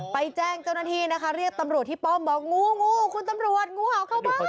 แจ้งเจ้าหน้าที่นะคะเรียกตำรวจที่ป้อมบอกงูงูคุณตำรวจงูเห่าเข้าบ้าน